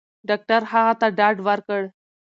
ډاکټر هغه ته ډاډ ورکړ.